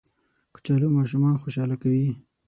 کچالو ماشومان خوشحاله کوي